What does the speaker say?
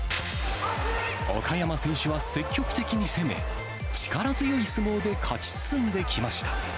岡山選手は積極的に攻め、力強い相撲で勝ち進んできました。